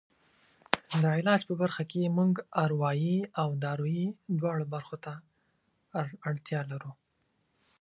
د علاج په برخه کې موږ اروایي او دارویي دواړو برخو ته اړتیا لرو.